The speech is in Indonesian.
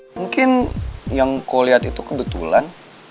mungkin yang kau lihat itu kebetulan